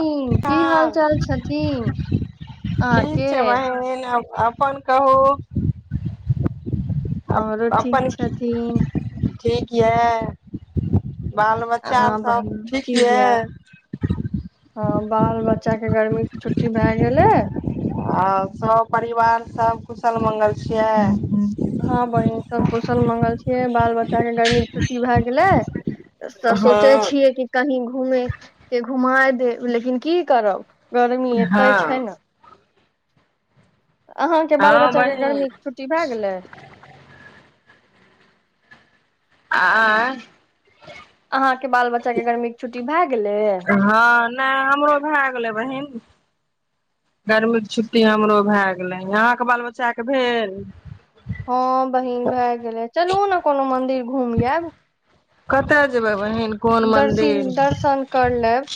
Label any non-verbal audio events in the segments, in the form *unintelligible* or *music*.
ह की हाल हँ चाल छथिन ठीक अहाँके छै बहिन अपन कहू अप हमरो ठीक अपन छथिन ठीक यऽ बाल बच्चा अहाँ सब बहिन ठीक यए य हँ बाल बच्चा एगारमी के छुट्टी भए गेलै आ सब परिवार सब कुशल मंगल छियै हँ बहिन सब कुशल मंगल छियै बाल बच्चा के गर्मी के छुट्टी भए गेलै त सोचे हँ छियै कि कहीं घूमे के घुमााय देब लेकिन की करब गरमी ए तै हँ छै ने अहाँके बाल हँ बच्चाके बहिन गर्मीके छुट्टी भए गेलै आ अहाँ बाल बच्चा के गर्मी छु भाग हँ नहि हमरो भए गेलै बहिन *inaudible* गरमीके छुट्टी हमरो भए गेलै अहाँके बाल बच्चाके भेल हँ बहीन भए गेले चलु ने कोनो मंदिर घूम यब कत आ जे बाब दर्शिं दर्शन कर लेब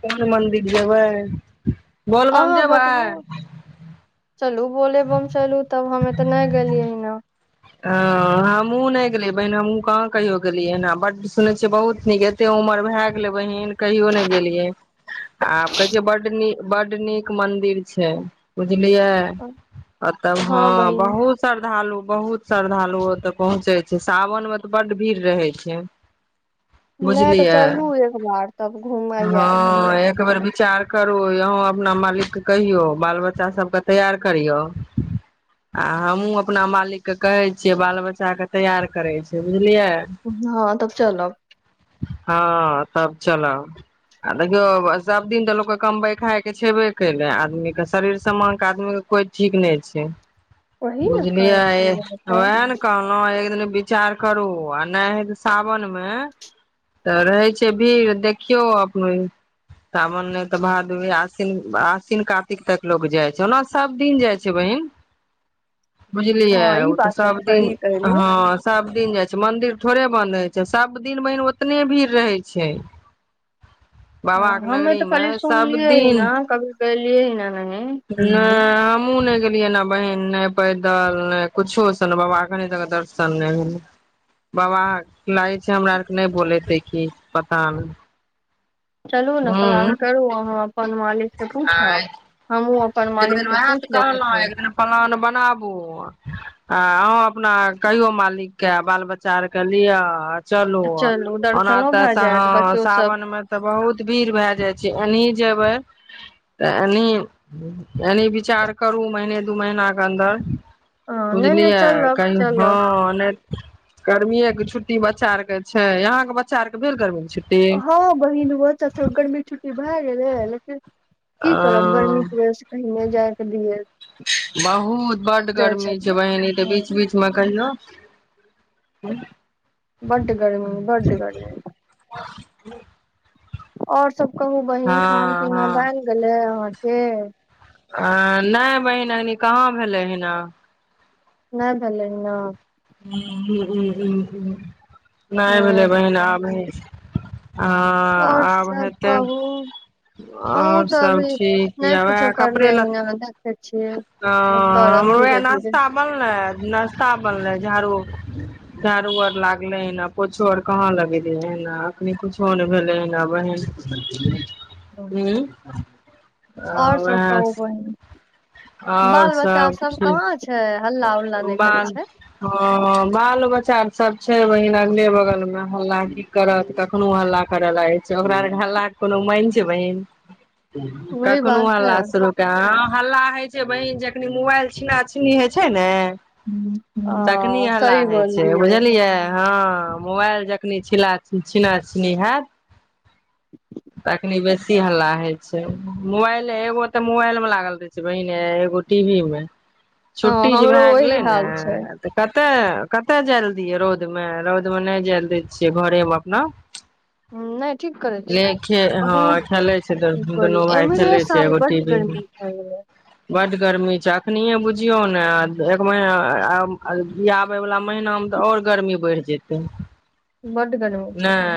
कोन मन्दिर जेबै बोलबम अहाँ जेबै बतबू चलू बोले बमचलू तब हमें तऽ नहि गेलियै हनो हँ हमहूँ नहि गेलियै बहिन हमहहुँ कहाँ कहियो गेलियै बड्ड सुनै छियै बहुत नीक एते उमर भए गेलै बहिन कहियो नहि गेलियै आ कहै छै बड्ड न बड नीक मंदिर छै बुझ बुझलियए आ तब हँ बहुत श्रद्धालु बहुत श्रद्धालु तऽ पहुँचे छै सावन मे तऽ बड्ड भीड़ रहै छै नहि तऽ बुझलियै चलू एक बार तब घुमय हँ आयब हमलोग एक बेर विचार करू यह अपना मालिक के कहियौ बाल बच्चा सबके तैयार करियौ आ हमहु अपना मालिक के कहे छियै बाल बच्चा के तैयार करे छै बुझलिये हँ तब चलब हँ तब चलब आ देखियौ सभदिन तऽ लोकके कमबै खायके छेबे कयैलै आदमीके शरीर समानके आदमीके कोइ ठीक नहि छै ओही ने कहै छियै तऽ ओएह ने कहलउ एक दिन विचार करू आ नहि हे सावनमे तऽ रहै छै भीड़ देखियौ अपने सावन नहि तऽ भादो ये आश्विन आश्विन कार्तिक तक लोक जाइ छै ओना सब दिन जाइ छै बहिन बुझलियै हँ ई तऽ बात सबदिन सही कहलियै हँ सब दिन जाइ छै मंदिर थोड़े बन्द होइ छै सब दिन बहिन ओतने भीड़ रहै छै हँ बाबाक के हमे नगरी तऽ मे खाली सब सुनलियै ना कभी गैलियै ए न न न अ हमहुँ नहि गेलियै ने बहिन नहि पैदल ने कुछोसे ने बाबा के तक दर्शन नहि भेल बाबा लागै छै हमरा आर के नहि बोलैतै की पता नहि चलू ना पलान करू ने अहाँ अपन म आए एक मालिक दिन से उएह पूछ तऽ ले कहलउ छथिन एक दिन प्लान बनाबू आ अहों अपना कहियो मालिकके आ बाल बच्चा आर के लिअ चलु चलू ओना दर्शनो ते भए साह जायत बच्चो सब सावन में ते बहुत भीड़ भए जायै छै जेबइ तऽ एनीह एनीह विचार करू महीने दू महीनाके अन्दर ह नहि नहि बुझलियै चलब कहि चलब हँ गर्मीए के छुट्टी बच्चा आर के छै अहाँ के बच्चा आर के भेल गर्मी छुट्टी हाँ बहिन बस के ठोकर मे *unintelligible* अ की करब गर्मीे के वजह से कही नहि जायके दियै बहुत बड गर्मी छै बहिन ई तऽ ह बीच बीच मे कहियो बड गर्मी बड गर्मी ह ओर सब कहू बहिन खान पीना हँ भए गेलै ह अह के आ नहि बहिन ऐनी कहाँ भेलै हिना नहि भेलै हियां ह ह ह ह ह नहि भेलै बहिन आब ह और आब सब हेतै कहू उ आओर तऽ सब अभी ठीक नहि य कुछो वएह कपड़े करलियै लत्ता ह देख ह हमरोह धीरे नासता बनलए नस्ता बनलै झाड़ूओ झाड़ू आर लागलै हन आ पोछो आर कहाँ लगेलिय अखनी कुछो नहि भेलै हन अबै हन हू आओर सब कहु बहिन आओर बाल बच्चा सब कहाँ छै ठीक हल्ला उल्ला नहि करै बाल छै ह बाल बच्चा आर सब छै बहिन अगले बगल मे हल्ला की करत कखनो हल्ला करय लागै छै ओकरा आरके हल्ला के कोनो मइन छै बहिन वही कखनो बात ने हला शुरू क आ हल्ला हय छै बहिन जखनी मोबाइल छीना छिनी होइ छै ने तखनी ह हल्ला सही होइ छै बोललियऐ बुझलियै हँ मोबाइल जखनी छिना छीनी हत तखनी बेसी हल्ला हय छै मोबाइलो एगो ते मोबाइल मे लागल रहे छै हीने एगो टीवी मे हँ छुट्टी जे हमरो भए वही गेलै ने हाल छै तऽ प तऽ कतय जाय ल दियै रौदमे रौदमे नहि जायल दै छियै घरेमे अपना नहि ठीक करै ले छियै खे हँ बहुत खेलै छै की कर दुनू भाय एमहरे खेलै छै साल एगो बड्ड टीवी मे गर्मी भ गेले बड गरमी छै एखनिए बुझियौ ने एक महीना ई आबयवला महीनामे तऽ आओर गर्मी बढ़ि जेतै बड गर्मी छले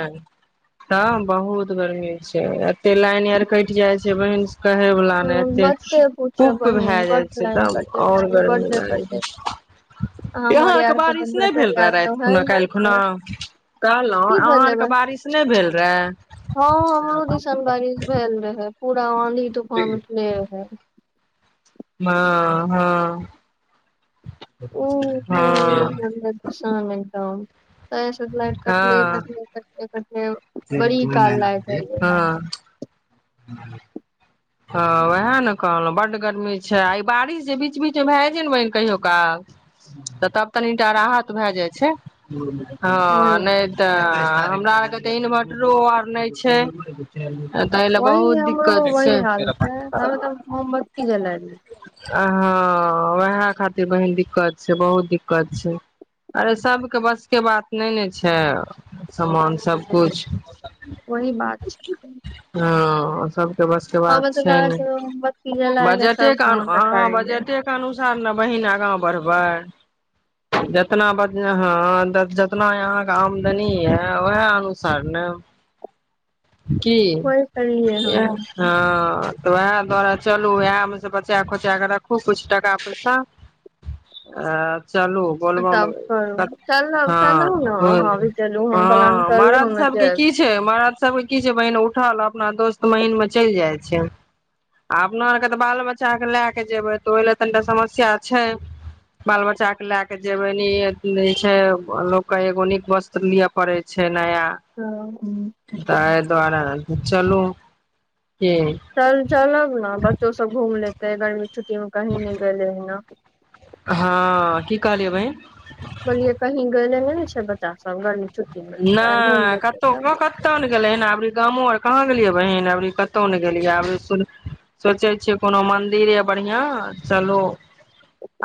तऽ बहुत गर्मी छै त लाइन आर कटि जाइ छै *unintelligible* कहयवला नहि ह एतेक मते पूछब कूप भए बहिन जाइ बड्ड छै लाइन तब कटे आओर छै गरमी बड्ड कटे लागै छै छै आ यहाँ हमर आरके आर के बारिश नहि भेल इन्वर्टर रहए आर तऽ राति है खुना नहि काल्हि खुना छै कहलहुं की अहा भेलै आर के बहिन बारिश नहि भेल रहे हँ हमरो दिशन बारिश भेल रहे पूरान इ ट हँ हँ उ कुमी हँ कामे छों आइ सँ लाइट कटले क ट द मना ह हँ उएह ने कहलहुँ बड्ड गर्मी छै आ ई बारिश जे बीच बीच भए जे ने बहि कहियो काल तऽ तब तनिटा राहत भए जाइ छै हँ वही नै है। त हमरा आर के तऽ इन्वोर्टरो आर नहि छै त तै ले वही बहुत हमरो दिक्कत छै वही हाल हमे तऽ मोमबत्ती गेले रहिै हँ उएह खातिर बहिन दिक्कत छै बहुत दिक्कत छै अरे सबके बसके बात नहि ने छै समान सबकुछ ओहि बात छै हँ ओ सब बस के बात ग छै ने मोबत्ती ज ल के सब गाँव त करैे अनस ने बहिन आगा बढ़बै जितना ब जितना यहाँके आमदनी है उएह अनुसार ने कि वही करलियै उहै हमे हँ ह तऽ ओएह दुआरे चलू ओएहमे से बचा खोचा कऽ रखू किछु टाका पैसा आ चलू बोलबम तब करू चलब हँ चलू ने अहाँ भी चलू हम प्लान हँ करू मरद हमे सबके जायब की छै मरद सबके की छै बहिन उठल अपना दोस्त महीन मे चलि जाइ छै आ अपना आर के तऽ बाल बच्चा के लए के जेबै तऽ ओहि ल तनीटा समस्या छै बाल बच्चा के लए के जेबै छै लोकके एगो नीक वस्त्र लिअ पड़े छै नया हँ। तऽ ए दुआारा चलू के चल चलब न बच्चो सब घूम ले के गरमी छु्टी मे कही नहि गेले है न हँ की कहलियै बहिन पहिले कही गेलने ने ने छै बच्चा सब ग नहि कतहु क कतहु ने गेलै गामो आर कहाँ गेलियै बहिन अभरी कतहु ने गेलियै अभी सु सोचे छीियै कोनो मंदिर ये बढ़िया चलो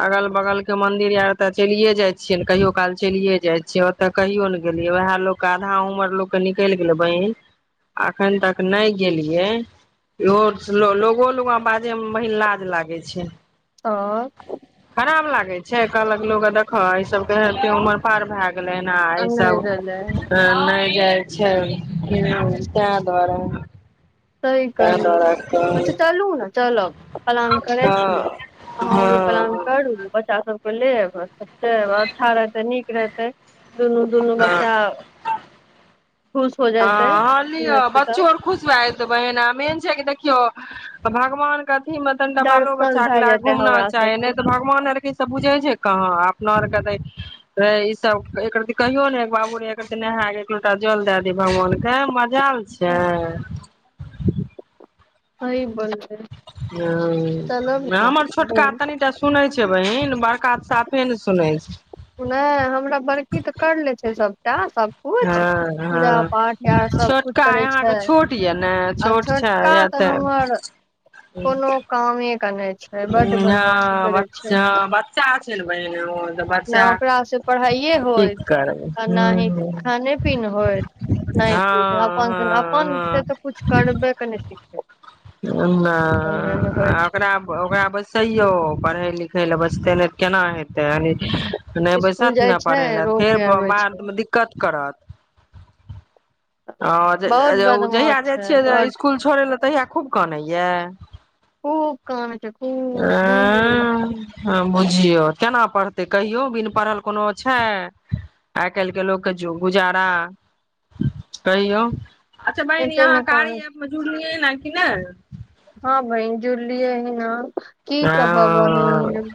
अगल बगल के मंदिर यते चलिये जाय छियै ने कहियो काल चलिये जाय छिये ओते कहियो ने गेलिय उएह लोकके आधा उमर लोक के निकलि गेलै बहीन अखन तक नहि गेलियए इहो लोगो लग बाजे मे बहीन लाज लागै छै आँ कहैय जैत कहलक लोग देख ई सबे उमर पार भए गेल आ लेनाय सब नहि गेले नहि जाइ चल ह तै द्वारे तय कहलु अच्छा चालु ने चलऽ पलान करे हँ छियै अहाँ हँ ओ पलान करू बच्चा सब लेब अच्छा रहतै नीक रहतै दुनू दुनू बच्चा खुश हो ह जयतै अहा लीय सुनतै तऽ बच्चो आओर खुश भ बहिन आ मेन छै कि देखियौ भगवान क थी में तनिका बालो दर्शन बच्चा के भए लए क जेतै घूमना हमरा चाही नहि सबके तऽ भगवान आर के से बुझे छै कहाँ आब नर के देे ई सब एकर दिन कहियो ने बाबू रे एकर दिन नहा एक लोटा जल दे दे भगवान के मजाल छै अइ बल ह हमर छोटका घूम तनिटा सुनै छै बहिन बरकात साफे ने सुनै छै नहि हमरा बड़की तऽ करले छै सभटा हँ हँ आर सबकुछ छोटका करै छै यहाँके छोट यए ने आ छोट छै छोटका या तऽ हमर तऽ कोनो *inaudible* बदमाशी हँ ब करै हँ बच्चा छै ने बहिन ओ तऽ ने बच्चा ओकरासँ पढ़ाइए की होइत करबै आ न ही हूँ खाने पीन होइत न हँ ही पूजा पाठ अपन अपन हँ हँ से तऽ किछु करबेके नहि सिखै नहि आ ओक आब ओकरा बैसैयो पढै पढ़ै लिखै लए बैसते ने केना हेतै नहि स्कुल बैसत जाइ ने छै पढ़य लए रो फेर के अबै छै बर दिक्कत करत ह बहुत जहिय बदमाश जाइ छै छियै बड इसकुल छोड़ तऽ इया खूब कानइ य खूब कानय छै खूब खूब एएह बुझियौ केना पढ़तै कहियो बिन पढ़ल कोनो छै आइ काल्हि के लोकके गुजारा कहियौ अच्छा बहिनी एते अहाँ ने कानै कार्य एप मे जुड़लियै नै की ने हँ बहिन जुरलियै हैन की कहब हँ बहन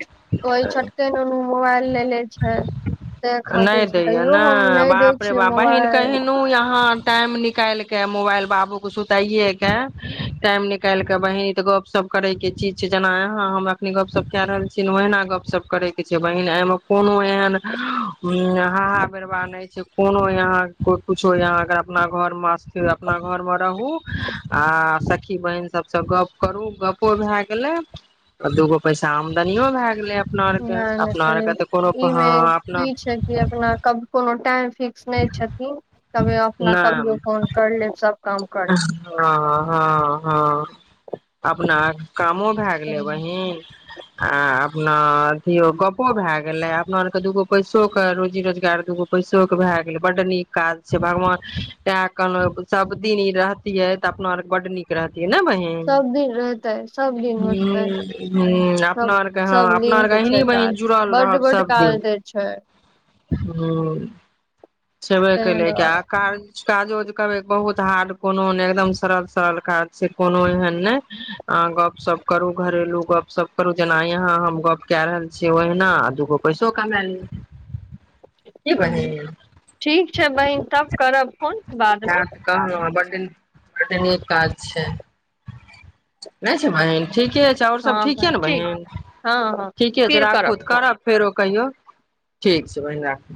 ओहि छोटके नुनू मोबाइल लेले छै ताहि नहि खातिर से दैया तैयो ने हम नहि दै बाप रे छियै बाप बहिन मोबाइल कहिनो अहाँ टाइम निकालि के मोबाइल बाबू के सुताइेके टाइम निकालि के बहीन त गप सप करै के चीज छै जेना ह हम अखनी गपशप कए रहल छी ने ओहिना गपशप करय के छै बहिन एहिमे कोनो एहन हाहा बेरबाह नहि छै कोनो यहा कोइ कुछो यहाँ अपना घर मेथि अपना घर मे रहू आ सखी बहिन सबसँ गप करू गपो भए गेलै आ दूगो पैसा आमदनियो भए गेलै आब नहि नहि सरे ईमे अपना की छै कि अपना कब कोनो टाइम फिक्स नहि छथिन कभी अपना नाम कभियो फोन कर लेब सब काम हँ करके हँ हँ अप नार कामो भए गेलै बहीन आ अपना अथियो गपो भए गेलै अपना आरके दूगो पैसोे रोजी रोजगार दूगो पैसो के भए गेलै बड नीक काज छै भगवान तें कहलहु सब दिन रहतीै त अपना आर के बड नीक रहत केन बहिन सब दिन रहते सब दिन ह होते ह सब अपना आरके ह सब अपना दिन आरके के छै एहिनी बहिन काज जुड़ल बड रहब बड सब दिन काज दै छै हू सेबैके ताहि लैके दुआरे आ कार काजोज करै के बहुत हाड कोनो ने एकदम सरल सरल काज छै कोनो एहन ने अ गप सप करू घरेलू गपशप करू जेना यहा हम गप क रहल छीियै ओहिना दूगो पैसो कमा ले ह्म्म ठीक छै बहीन तब करब फोन बादमे बड बर्डे न काज छै नहि छै बहिन ठीके छै आओर सब हँ ठीके ने ठीक बहिन हँ हँ ठीके छै फिर राखू तऽ फोन करब फेरो कहियौ ठीक छै बहिन राखु